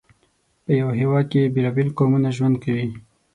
په یو هېواد کې بېلابېل قومونه ژوند کوي.